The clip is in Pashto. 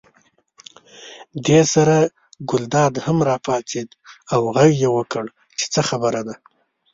دې سره ګلداد هم راپاڅېد او غږ یې وکړ چې څه خبره ده.